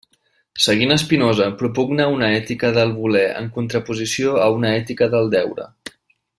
Seguint Spinoza, propugna una ètica del voler en contraposició a una ètica del deure.